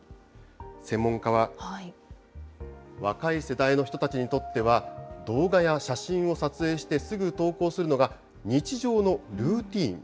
専門家は、若い世代の人たちにとっては、動画や写真を撮影してすぐ投稿するのが日常のルーティーン。